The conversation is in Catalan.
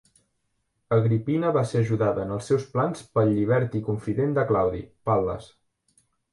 Agripina va ser ajudada en els seus plans pel llibert i confident de Claudi, Pal·les.